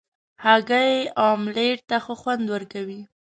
هګۍ اوملت ته ښه خوند ورکوي.